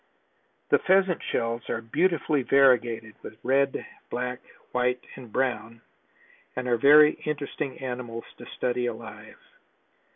The Pheasant shells are beautifully variegated with red, black, white and brown and are very interesting animals to study alive.